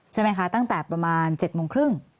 ใช่ไหมคะตั้งแต่ประมาณ๗โมงครึ่ง